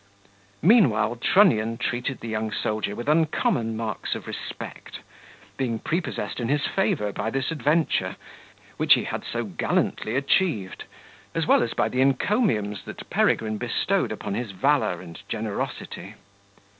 Meanwhile Trunnion treated the young soldier with uncommon marks of respect, being prepossessed in his favour by this adventure, which he had so gallantly achieved, as well as by the encomiums that Peregrine bestowed upon his valour and generosity.